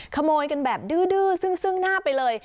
ขโมยกันแบบดื้อซึ่งหน้าไปเลย